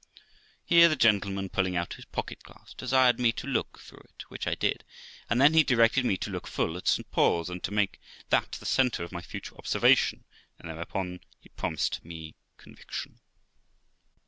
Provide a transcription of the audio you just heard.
Here the gentleman, pulling out his pocket glass, desired me to look through it, which I did t and then he directed me to look full at St. Paul's, and to make that the centre of my future observation, and thereupon he promised me conviction.